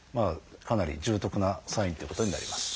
かなり重篤なサインっていうことになります。